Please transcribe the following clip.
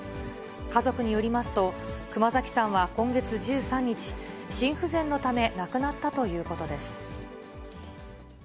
家族によりますと、熊崎さんは今月１３日、心不全のため亡くなったということです。